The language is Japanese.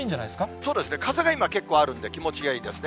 そうですね、風が今結構あるんで、気持ちがいいですね。